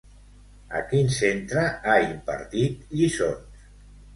A quin centre ha impartit lliçons?